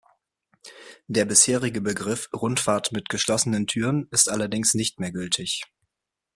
Der bisherige Begriff „Rundfahrt mit geschlossenen Türen“ ist allerdings nicht mehr gültig.